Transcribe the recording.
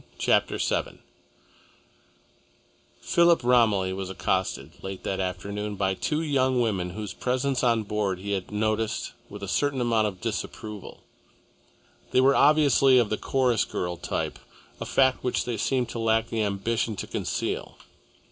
CHAPTER VII Philip Romilly was accosted, late that afternoon, by two young women whose presence on board he had noticed with a certain amount of disapproval. They were obviously of the chorus girl type, a fact which they seemed to lack the ambition to conceal.